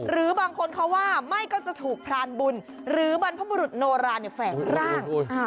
หรือบางคนเขาว่าไม่ก็จะถูกพรานบุญหรือบรรพบุรุษโนราแฝงร่าง